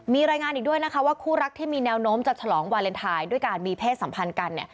มีรายงานอีกด้วยนะคะว่าคู่รักที่มีแนวโน้มจะฉลองวาเลนไทยด้วยการมีเพศสัมพันธ์กันเนี่ย